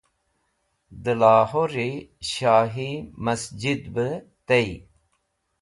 De Lahori Shahi Masjid be tey